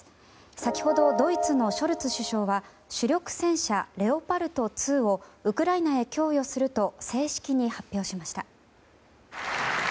先ほど、ドイツのショルツ首相は主力戦車レオパルト２をウクライナへ供与すると正式に発表しました。